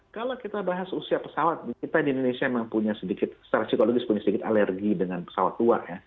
kalau kita bahas usia pesawat kita di indonesia memang punya sedikit secara psikologis alergi dengan pesawat tua